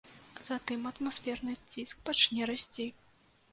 Затым атмасферны ціск пачне расці.